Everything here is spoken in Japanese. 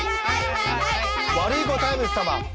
ワルイコタイムス様。